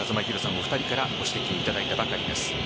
お二人からご指摘をいただいたばかりです。